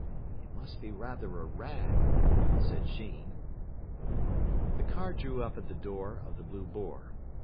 "It must be rather a rag," said Sheen. The car drew up at the door of the "Blue Boar".